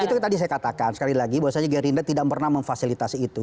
itu tadi saya katakan sekali lagi bahwasannya gerindra tidak pernah memfasilitasi itu